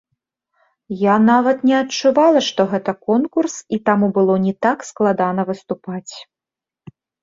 Я нават не адчувала, што гэта конкурс, і таму было не так складана выступаць.